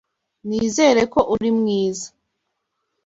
Nizere ko uri mwiza.